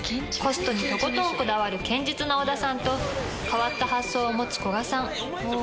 コストにとことんこだわる堅実な小田さんと変わった発想を持つ古賀さん。